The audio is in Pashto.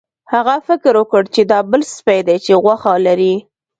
هغه فکر وکړ چې دا بل سپی دی چې غوښه لري.